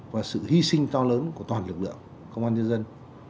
và sự hy sinh to lớn của toàn lực lượng công an nhân dân